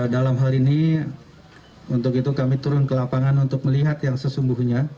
dalam hal ini untuk itu kami turun ke lapangan untuk melihat yang sesungguhnya